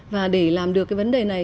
và để làm được cái vấn đề này